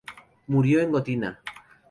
Murió en Gotinga.